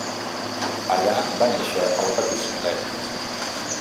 Allà va néixer el petit Milet.